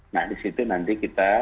nah di situ nanti kita